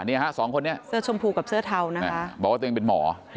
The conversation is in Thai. สองคนนี้เสื้อชมพูกับเสื้อเทานะคะบอกว่าตัวเองเป็นหมอ